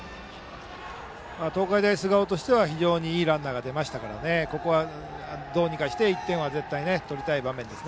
東海大菅生としては非常にいいランナーが出ましたからここは、どうにかして１点は絶対取りたい場面です。